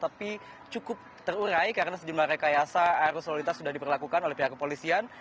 tapi cukup terurai karena sejumlah rekayasa arus lalu lintas sudah diperlakukan oleh pihak kepolisian